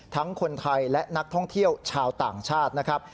ทั้งคนไทยและนักท่องเที่ยวชาวต่างชาตินะครับ